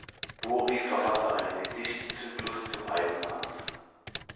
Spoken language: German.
Buri verfasste einen Gedichtzyklus zum Eisenhans.